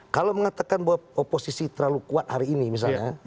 kalau mengatakan bahwa oposisi terlalu kuat hari ini misalnya